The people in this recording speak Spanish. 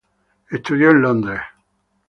Estudió en Londres.